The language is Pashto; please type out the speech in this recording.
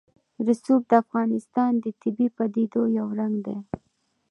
رسوب د افغانستان د طبیعي پدیدو یو رنګ دی.